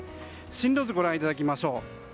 進路図、ご覧いただきましょう。